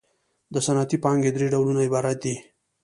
د صنعتي پانګې درې ډولونه عبارت دي